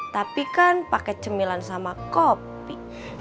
tapi kan pakai cemilan sama kopi